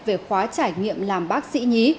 về khóa trải nghiệm làm bác sĩ nhí